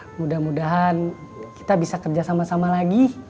mudah mudahan kita bisa kerja sama sama lagi